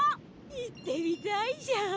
行ってみたいじゃん。